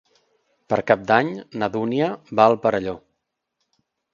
Per Cap d'Any na Dúnia va al Perelló.